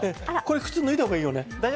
靴ぬいだほうがいいよね。